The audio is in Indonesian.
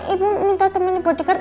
ibu minta teman di bodyguard